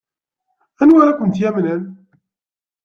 Anwa ara kent-yamnen?